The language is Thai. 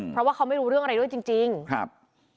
เพราะว่าเขาไม่รู้เรื่องอะไรด้วยจริงจริงครับ